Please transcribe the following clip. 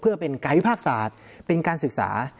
เพื่อเป็นการวิพากษาเป็นการศึกษา